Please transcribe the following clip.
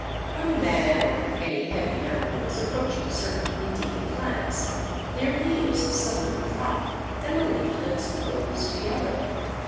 When man or any heavy animal is approaching certain Indian plants, their leaves suddenly drop, and the leaflets close together.